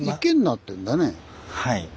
はい。